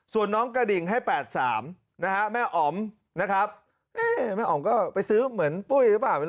ส่วนน้องกระดิ่งให้๘๓นะฮะแม่อ๋อมนะครับแม่อ๋อมก็ไปซื้อเหมือนปุ้ยหรือเปล่า